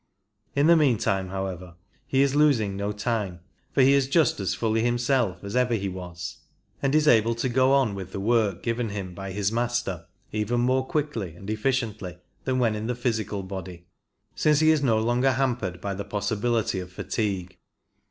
In the meantime, however, he is losing no time, for he is just as fully himself as ever he was, and is able to go on with the work given him by his Master even more quickly and efficiently than when in the physical body, since he is no longer hampered by the possibility of fatigue.